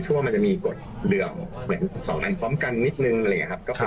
แต่มันไม่ได้มาเป็นขวา